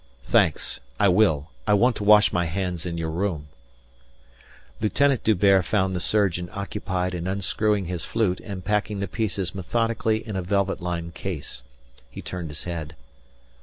"Thanks. I will. I want to wash my hands in your room." Lieutenant D'Hubert found the surgeon occupied in unscrewing his flute and packing the pieces methodically in a velvet lined case. He turned his head.